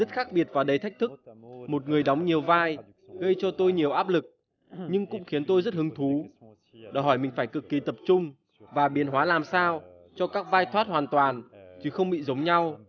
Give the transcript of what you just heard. rất khác biệt và đầy thách thức một người đóng nhiều vai gây cho tôi nhiều áp lực nhưng cũng khiến tôi rất hứng thú đòi hỏi mình phải cực kỳ tập trung và biến hóa làm sao cho các vai thoát hoàn toàn chứ không bị giống nhau